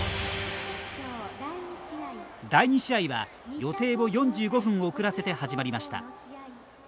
第２試合は、予定を４５分遅らせて始まりました。